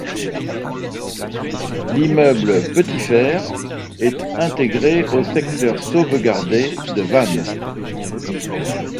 L'immeuble Petit-Fers est intégré au secteur sauvegardé de Vannes.